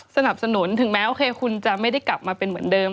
สนับสนุนถึงแม้โอเคคุณจะไม่ได้กลับมาเป็นเหมือนเดิม